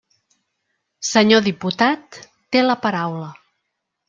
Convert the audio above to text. Senyor diputat, té la paraula.